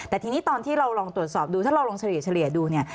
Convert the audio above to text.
แต่ทีนี้ตอนที่เราลองตรวจสอบดูถ้าเราลองเฉลี่ยดูเนี่ย